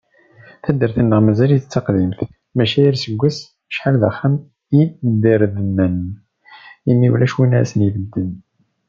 Taddart-nneɣ mazal-itt d taqdimt, maca yal aseggas acḥal d axxam i idermen, imi ulac win ara asen-ibedden.